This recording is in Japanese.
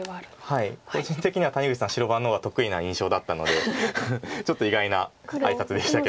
個人的には谷口さん白番の方が得意な印象だったのでちょっと意外な挨拶でしたけど。